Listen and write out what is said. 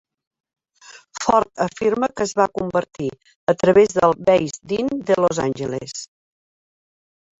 Ford afirma que es va convertir a través del Beis Din de Los Angeles.